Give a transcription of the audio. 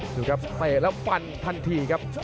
ดูครับเตะแล้วฟันทันทีครับ